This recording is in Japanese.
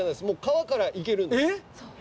もう川から行けるんですえっ？